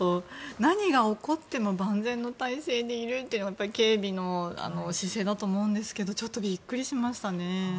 何が起こっても万全の態勢でいるというのが警備の姿勢だと思うんですけどちょっとビックリしましたね。